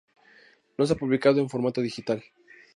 No se ha publicado en formato digital.